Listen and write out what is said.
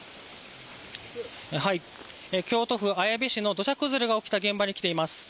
京都府綾部市の土砂崩れが起きた現場に来ています。